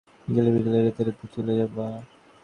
বিকেলে বিকেলে রেঁধে রেখে চলে যাব, অ্যাঁ?